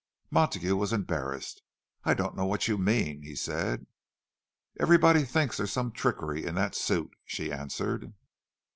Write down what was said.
Montague was embarrassed. "I don't know what you mean," he said. "Everybody thinks there's some trickery in that suit," she answered.